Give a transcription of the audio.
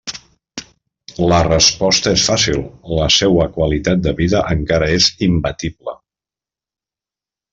La resposta és fàcil, la seua qualitat de vida encara és imbatible.